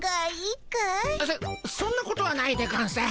そそんなことはないでゴンス。